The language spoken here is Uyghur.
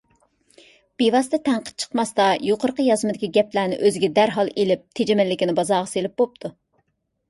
بىۋاسىتە تەنقىد چىقماستا يۇقىرىقى يازمىدىكى گەپلەرنى ئۆزىگە دەرھال ئېلىپ تېجىمەللىكىنى بازارغا سېلىپ بوپتۇ.